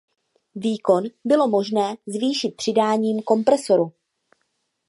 Výkon bylo možné zvýšit přidáním kompresoru.